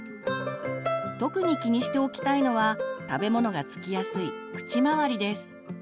特に気にしておきたいのは食べ物が付きやすい口周りです。